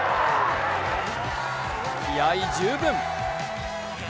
気合い十分。